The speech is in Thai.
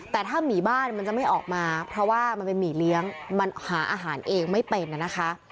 แต่ถ้าหมีบ้านมันจะไม่ออกมาเพราะว่ามันเป็นหมีเลี้ยงมันหาอาหารเองไม่เป็นนะคะ